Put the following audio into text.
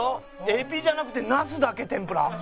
エビじゃなくてナスだけ天ぷら！